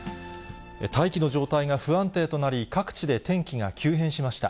大気の状態が不安定となり、各地で天気が急変しました。